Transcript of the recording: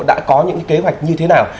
đã có những kế hoạch như thế nào